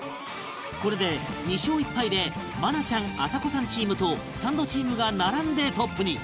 これで２勝１敗で愛菜ちゃんあさこさんチームとサンドチームが並んでトップに